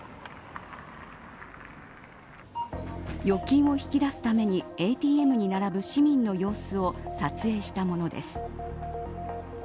預金を引き出すためにＡＴＭに並ぶ市民の様子を撮影したものです。